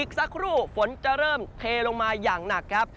สักครู่ฝนจะเริ่มเทลงมาอย่างหนักครับ